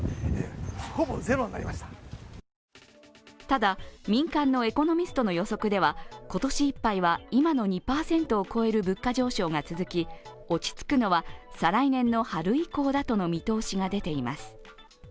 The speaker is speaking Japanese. ただ、民間のエコノミストの予測では今年いっぱいは今の２％を超える物価上昇が続き落ち着くのは再来年の春以降だとの見通しが出ています。